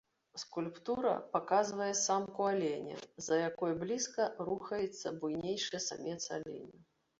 Скульптура паказвае самку аленя, за якой блізка рухаецца буйнейшы самец аленя.